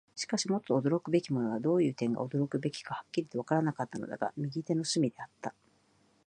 しかし、もっと驚くべきものは、どういう点が驚くべきかははっきりとはわからなかったのだが、右手の隅であった。